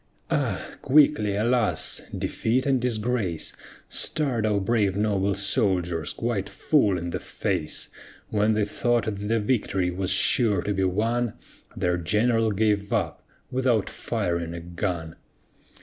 Ah! quickly alas! defeat and disgrace Star'd our brave noble soldiers quite full in the face, When they thought that the victory was sure to be won, Their general gave up, without firing a gun.